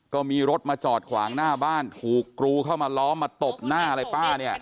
ก็มีรถมาจอดขวางหน้าบ้านถูกกรูเข้ามาล้อมมาตบหน้าอะไรป้าเนี่ย